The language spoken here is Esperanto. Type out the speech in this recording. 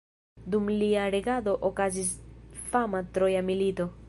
Dum lia regado okazis fama Troja milito.